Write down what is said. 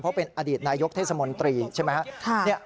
เพราะเป็นอดีตนายกเทศมนตรีใช่ไหมครับ